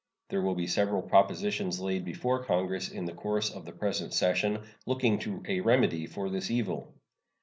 There will be several propositions laid before Congress in the course of the present session looking to a remedy for this evil.